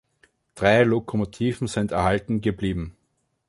Drei Lokomotiven sind erhalten geblieben.